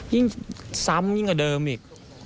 ยิ่งซ้ำยิ่งกว่าเดิมอีก